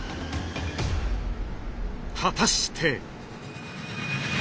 果たして。